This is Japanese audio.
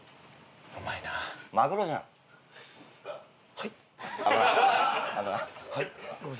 はい。